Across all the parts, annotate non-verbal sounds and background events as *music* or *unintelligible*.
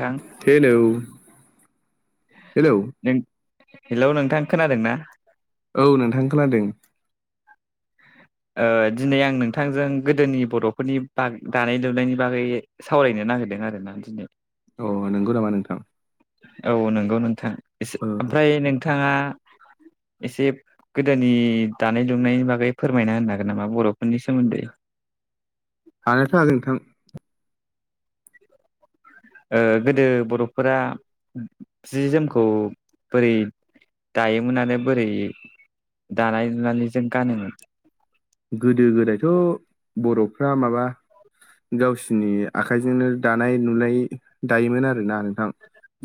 ओं hello hello नों hello नोंथां खोनादों ना औ नोंथां खोनदों ओ दिनै आं नोंथांजों गोदोनि बर'फोरनि बाग दानाय लुनायनि बागै सावरायनो नागिरदों आरोना दिनै अ नंगौ नामा नोंथां औ नंगौ नोंथां एसे औ ओमफ्राय नोंथाङा एसे गोदोनि दानाय लुनायनि बागै फोरमायना होनो हागोन नामा बर'फोरनि सोमोन्दै हानायाथ' हागोन नोंथां गोदो बर'फोरा जि जोमखौ बोरै दायोमोन आरो बोरै दानाय लुनानैजों गानोमोन गोदो गोदायथ' बर'फ्रा माबा गावसिनि आखाइजोंनो दानाय लुनाय दायोमोन आरोना नोंथां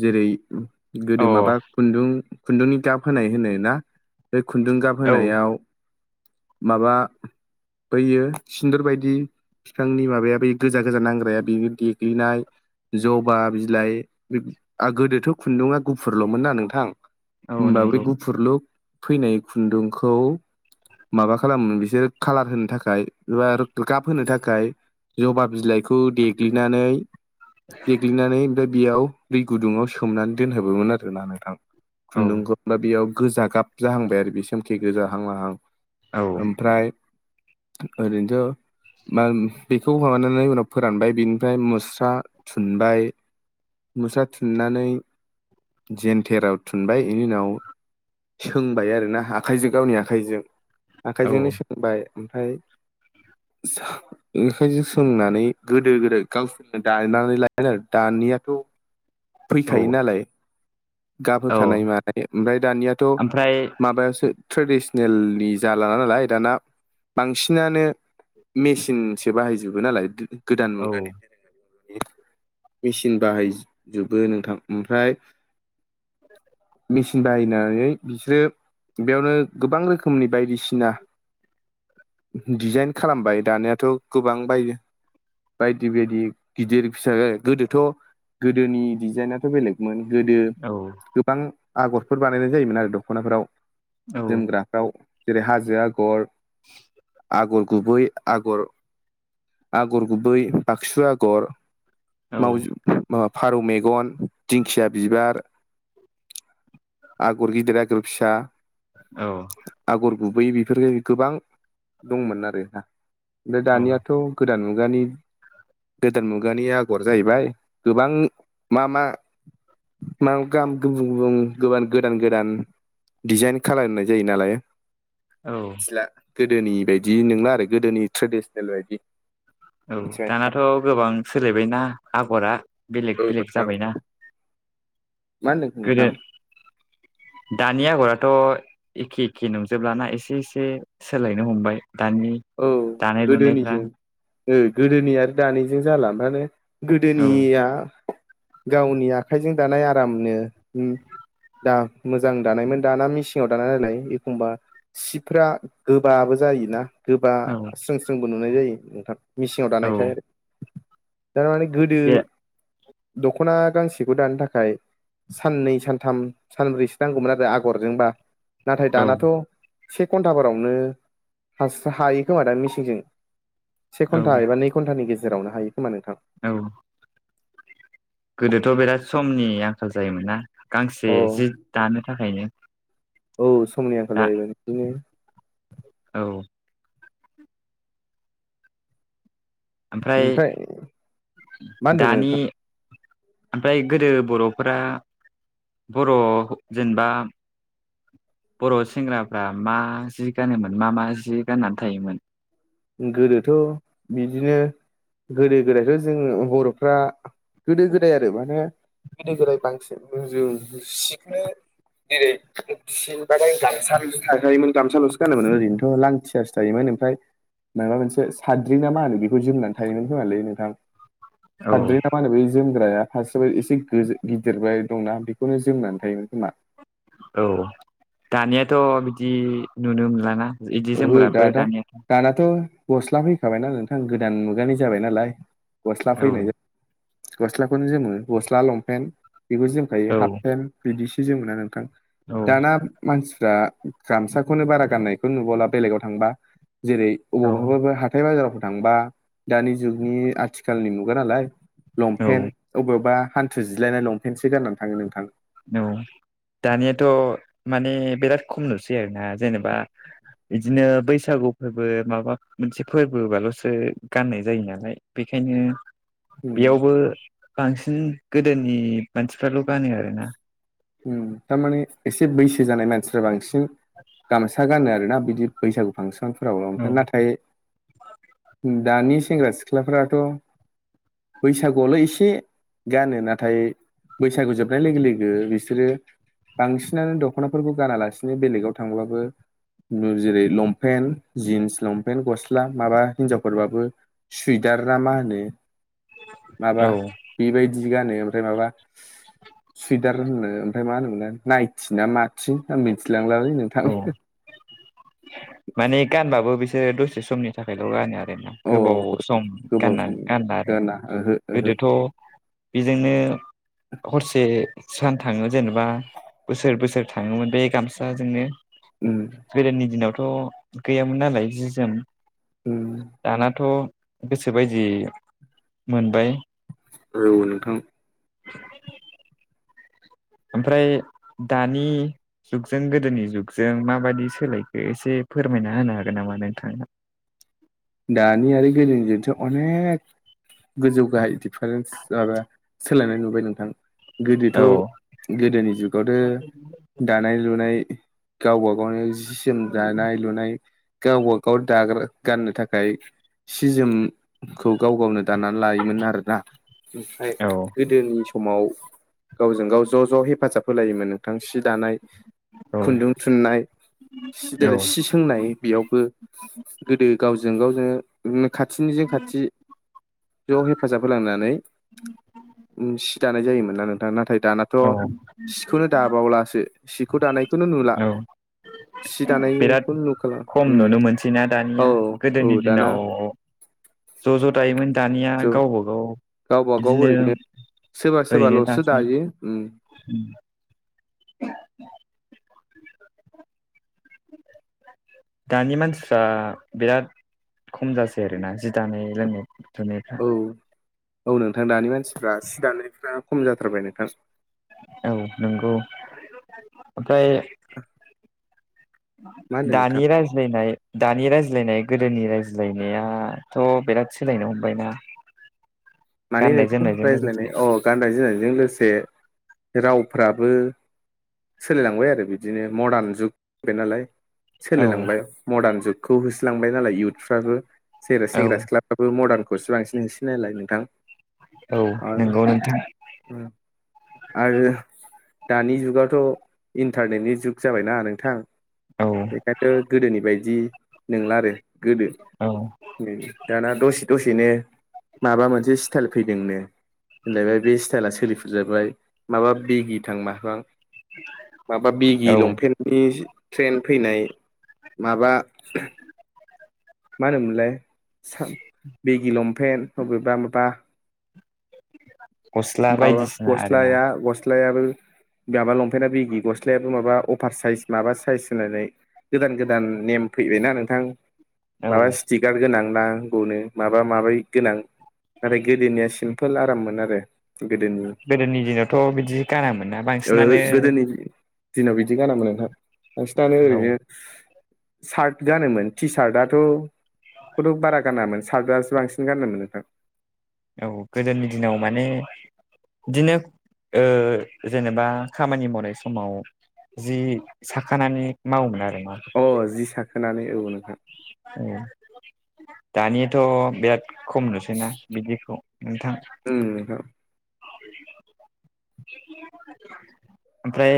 जेरै अ गोदो माबा खुन्दुं खुन्दुंनि गाब होनाय होनो ना बे खुन्दुं गाब औ होनायाव माबा बैयो सिन्दर बायदि बिफांनि माबाया बे गोजा गोजा नांग्राया बेयो देग्लिनाय जबा बिलाइ गोदोथ' खुन्दुङा गुफुरल'मोन ना नोंथां औ होमबा बेै नंगौ गुफुरलु फैनाय खुन्दुंखौ माबा खालामो बिसोर खालार होनो थाखाय एबा गाब होनो थाखाय जबा बिलाइखौ देग्लिनानै देग्लिनानै ओमफ्राय बेयाव दै गुदुङाव सोमनानै दोनहाबोमोन आरोना नोंथां औ खुन्दुंखौ बेयाव गोजा गाब जाहांबाय आरो बे सोमखे गोजाहां माहां। औ ओमफ्राय ओरैनोथ' मा बेखौ माबानानै उनाव फोरानबाय बिनिफ्राय मुस्रा थुनबाय। मोसा्रा थुननानै जेन्थेराव थुनबाय बेनि उनाव सोंबाय आरोोना आखाइजों गावनि आखाइजों आखाइजोंनो औ सों बुंबाय ओमफ्राय ओंखायनो सोंनानै गोदो गोदाय गावसोरनो दानानै लाय आरो दानियाथ' औ फैखायो नालाय औ गाबहोखानाय मानाय ओमफ्राय दानियाथ' ओमफ्राय माबायासो ट्रेडिसनेलनि जाला ना नालाय दाना बांसिनानो मेसिनसो बाहायजोबो नालाय गोदान औ मुगानिनो मेचिन बाहायजोबो नोंथां ओमफ्राय मेचिन बाहायनानै बिसोरो बेयावनो गोबां रोखोमनि बायदिसिना दिडजाइन खालामबाय दानिाथ' गोबां बायो बायदि बायदि गिदिर फिसा गोदोथ' गोदोनि डिजाइनाथ' बेलेग। गोदो औ गोबां आगरफोर बानायनाय जायोमोन आरो दख'नाफोराव औ जोमग्रा। आव जेरै हाजो आगर *inaudible* आगर गुबै आगर आगर गुबै बाक्सु आगर औ मावजाब फारौ मेगन दिंखिया बिबार आगर गिदिर आगर फिसा औ आगर गुबैयै बेफोरखाय गोबां दंमोन आरोा ओमफ्राय दानियाथ' गोदान मुगानि गोदान मुगानि आगर जाहैबाय गोबां मा मा मा गाहाम गुबुं गुबुं गोबां गोदान गोदान डिजाइन खालामनाय जायो नालाय। औ मिथिला गोदोनि बायदि नोंला आरो गोदोनि ट्रेडिसनेल बायदि औ मिथिबाय दानाथ' गोबां सोलायबायना आगरा बेलेग बेलेग नोंथां औ नोंथां जाबायना। मा होनदों गोदो नोंथां? दानि आगरथ' एखे एखे नुजोबलाना एसे एसे सोलायनो हमबाय दानि औ दानाय लुनायफ्रा गोदोनिजों गोदोनि आरो दानिजों जाला ओफ्रायानो औ गोदोनिया गावनि आखाइजों दानाय आरामनो दा मोजां दानायमोन दाना मेसिंङाव दानाय नालाय एखमबा सिफ्रा गोबाबो जायोना? गोबा औ स्रों स्रोंबो नुनाय जायो नोंथां मिेसिङाव औ दानायखाय आरो थारमाने गोदो बे दख'ना गांसेखौ दानो थाखाय साननै सानथाम सानब्रैसो नांगौमोन आरो आगरजोंबा नाथाय औ दानाथ' से घन्टाफोरावनो हायो खोमा दा मिेसिंजों से औ घन्टा एबा नै घन्टानि गेजेरावनो हायो खोमा नोंथां। औ गोदोथ' बिराद समनि आंखाल जायोमोन ना गांसे औ जि दानो थाखायनो औ समनि आंखाल दा जाहैबाय बिदिनो औ ओमफ्राय मा होनदोंमोन दानि नोंथां ओमफ्राय गोदो बर'फोरा बर' जेनेबा बर' सेंग्राफ्रा मा जि गानोमोन मा मा जि गाननानै थायोमोन। गोदोथ' बिदिनो गोदो गोदायथ' जोङो बरर'फ्रा गोदो गोदाय आरो माने गोदो गोदाय बांसिन जों सिखनो जेरै फिनबाथाय गामसाल'सो थाखायोमोन गामसाल'सो गानोमोन ओरैनोथ' लांथियासो थायोमोन ओमफ्राय माबा मोनसे साद्रि ना मा होनो बेखौ जोमनानै थायोमोन होआलै नोंथां औ साद्रि नाम मा होनो बै जोमग्राया हारसे एसे गिदिरबाय दंना बेखौनो जोमनानै थायोमोन खोमा औ दानियाथ' बिदि नुनो मोनलाना बिदि ओहो जोमग्राफोर दाना दानिया दानाथ' गस्ला फैखाबायना नोंथां गोदान मुगानि जाबाय नालाय गस्ला औ फैनाय गस्लाखौनो जोमो गस्ला लंपेन्ट बेखौ जोमखायो औ हाफपेन्ट बिदिसो जोमोना नोंथां औ दाना मानसिफ्रा गामसाखौनो बारा गाननाय खोनो नुबांला बेलेगाव थांबा जेरै औ अबावबाफोर हा हाथथाय बाजारावफोर थांबा दानि जुगनि आथिखालनि मुगा नालाय औ लंपेन्ट अबावबा हान्थु जिलायनाय लंपेन्टसो गाननानै थाङो नोंथां औ दानियाथ' माने बिराद खम नुसै आरोना जेनेबा बिदिनो बैसागु फोरबो माबा मोनसे फोरबोबाल'सो गाननाय जायो नालाय बेखायनो उम बेयावबो बांसिन गोदोनि मानसिफ्राल' गानो आरोना ओम थारमाने एसे बैसो जानाय मानसिफ्रा बांसिन *inaudible* गामसा गानो आरोना बिदि बैसागु फांसनफोरावल' औ ओमफ्राय नाथाय दानि सेंग्रा सिख्लाफथ' बैसागुआवल' एसे गानो नाथाय बैसागु जोबनाय लोगो लोगो बिस बिसोरो बांसिनानो दख'नाफोरखौ गानालासिनो बेलेगाव थांब्लाबो जेरै लंपेन्ट जिन्स लंपेन्ट गस्ला माबा हिनजावफोरबाबो सुइदारना मा होनो माबा औ बेबायदि गानो ओमफ्राय माबा सुइदार होनो ओमफ्राय मा होनो मोनलाय नायथिना माथि आं मिथिलांलालै नों औ माने गानबाबो बिसोरो दसे समनि थाखायल' गानो आरोना अ गोबाव सम गोबाव गाननानै सम गानला आरो गाना ओहो ओहो गोदोथ' बेजोंनो हरसे सान थाङो जेनेबा बोसोर बोसोर थाङोमोन बे गामसाजोंनो *inaudible* उम गोदोनि दिनावथ' गैयामोन नालाय जि जोम उम दानाथ' गोसो बायदि मोनबाय औ नोंथां ओमफ्राय दानि जुगजों गोदोनि जुगजों माबायदि सोलायखो एसे फोरमायना होनो हागोन नामा नोंथां? दानि आरो गदोनिजोंथ' अनेक गोजौ गाहाय दिडिफारेन्स माबा सोलायनाय नुबाय नोंथां औ गोदोथ' गोदोनि जुगावथ दानाय लुनाय गावबा गावनो जि जोम दानाय लुनाय गावबा गाव दाग्रा गाननो थाखाय थाखाय सि जोम खौ गाव गावनो दाननानै लायोमोन आरोना ओमफ्राय औ गोदोनि समाव गावजों गाव ज' ज' हेफाजाब होलायोमोन नोंथां सि दानाय औ खुन्दुं थुननाय औ जेरै सि सोंनाय बेयावबो गोदो गाव जों गाव जोङोनो खाथिनिजों खाथि ज' हेफाजाब होलांनानै सि दानाय जायोमोन नोंथां। नाथाय दाना थ औ सिखौनो दाबावलासो सिखौ दानायखौनो नुला औ सि बिराद दानायखौनो नुखाला खम उम नुनो मोनसैना औ दानिया औ गोदोनि दाना दिनाव ज' ज' दायोमोन दानिया गावबागाव गावबागाव ओरैनो सोरबा सोरबाल'सो दायो उम उम *unintelligible* *unintelligible* दानि मानसिफ्रा बिराद खम जासै आरोना जि दानाय रोंनाय औ औ नोंथां दानि मानसिफ्रा सि दानायफ्रा खम जाथारबाय नोंथां औ नंगौ ओमफ्राय *inaudible* मा होनदों दानि नोंथां राय- रायज्लायनाय दानि रायज्लायनाय गोदोनि रायज्लायनायाथ' बिराद सोलायनो हमबायना *inaudible* माने नोंथां जोमनायजों रायज्लायनाय लोगोसे अ गाननाय जोमनायजों लोगोसे रावफ्राबो सोलायलांबाय आरो बिदिनो मडार्न जुग जाबाय नालाय औ सोलायलांबाय मडार्न जुगखौ होसोलांबाय नालाय युथफ्राबो जेरै औ सेंग्रा सिख्ला फ्राबो मरदारखौसो बांसिन होसोयो नालाय नोंथां औ नंगौ नोंथां। उम आरो दानि जुगाथ' इन्टारनेटनि जुग जाबायना नोंथां औ बेखायथ' गोदोनि बायदि नंला आरो गोदो औ दाना दसे दसेनो माबा मोनसे स्टाइल फैदोंनो होनलायबाय बे स्टाइला सोलिफनलायबाय माबा बेगि थां माथां माबा बिगि औ लंपेन्टनि ट्रेन फैनाय माबा मा होनोमोनलाय बिगि लंपेन्ट बबेबा माबा *inaudible* माबा बायदिसिना आरोना गस्लाया गस्लायाबो माबा लंपेन्टआ बिगि गस्लायाबो माबा अफार साइस माबा साइज होनलायनाय गोदान गोदान नेम फैबायना नोंथां औ माबा स्टिगार गोनां नांगौनो माबा माबि गोनां नाथाय गोदोनिया सिमपोल आराममोन आरो गोदोनि गोदोनि दिनावथ' बिदि गारामोनना ओ बांसिनानो गोदोनि दिनाव बिदि गानामोन नोंहा बांसिनानो औ ओरैनो सार्ट गानोमोन टि सार्टआथ' बेखौथ' बारा गानामोन सतजाजारासो बांसिन गानोमोन नोंथां औ गोदोनि दिनाव माने बिदिनो ओ जेनेबा खामानि मावनाय समाव जि साखानानै मावोमोन आरो मा अ जि साखोनानै औ नोंथां। दानियाथ' बिराद खम नुसैना बिदिखौ नोंथां उम नोंथां ओमफ्राय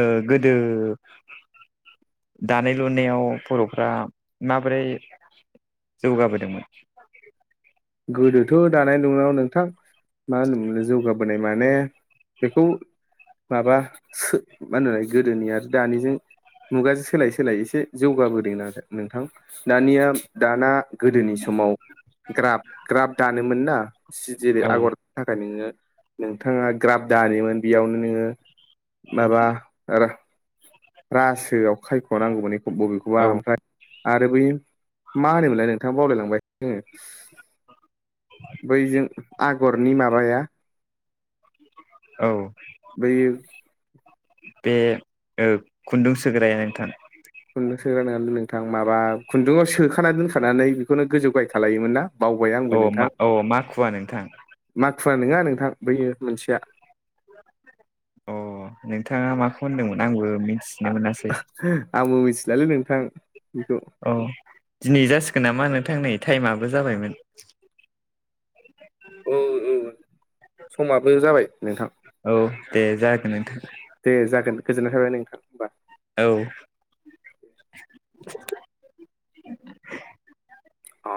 ओ गोदो दानाय लुनायाव बर'फ्रा माबोरै जौगाबोदोंमोन? गोदोथ' दानाय लुनायाव नोंथां मा होनोमोन जौगाबोनाय माने बेखौ माबा मा होनोमोनलाय गोदोनि आरो दानिजों मुगाजों सोलाय सोलाय एसे जौगाबोदों न नोंथां दानिया दाना गोदोनि समाव ग्रा ग्राब दानोमोन ना सि जेरै औ आगर थाखाय नोङो नोंथाङा ग्राफ दानोमोन बेयावनो नोङो माबा आरो रासोआव खायख' नांगौमोन एखौ बबेखौबा औ ओमफ्राय आरो बै मा होनोमोनलाय नोंथां बावलायलांबाय आङो बैजों आगरनि माबाया *inaudible* औ बै बे ओ खुन्दुं सोग्रायाहाय नोंथां खुन्दुं सोग्रा नङालै नोंथां माबा खुन्दुं सोखा दोनखानानै बेखौनो गोजौ गायहाय खालायोमोन ना बावबाय आंबो अ मा नोंथां अ मा माखुवा नोंथां माखुवा नङा नोंथां बैयो मोनसेया अ नोंथाङा माखौ होनदोंमोन आंबो मिथिनो मोनासै आंबो मिथिलालै नोंथां बेखौ औ दिनै जासिगोन नामा नोंथांनै टाइमआबो जाबायमोन। औ औ समाबो जाबाय नोंथां। औ दे जागोन नोंथां। दे जागोन गोजोननाय थाबाय नोंथां ओमबा। औ अ